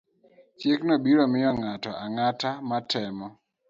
Chikno biro miyo ng'ato ang'ata matemo